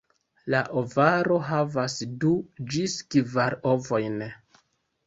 La ovaro havas du ĝis kvar ovojn.